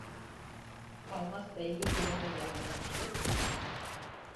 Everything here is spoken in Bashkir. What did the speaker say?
Алмас бәйге бүләге янына килеп